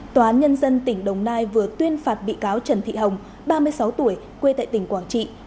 tòa án nhân dân tỉnh đồng nai vừa tuyên phạt bị cáo trần thị hồng ba mươi sáu tuổi quê tại tỉnh quảng trị